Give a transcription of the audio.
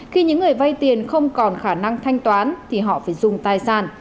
khi những người vay tiền không còn khả năng thanh toán thì họ phải dùng tài sản